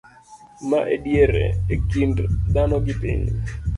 ma ediere e kind dhano gi piny